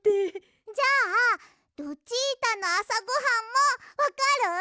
じゃあルチータのあさごはんもわかる？